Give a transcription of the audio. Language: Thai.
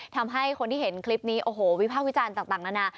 ทำให้คนที่เห็นคลิปนี้โอ้โหวิภาควิจารณ์ต่างนานา